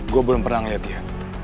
gue belum pernah ngeliat ya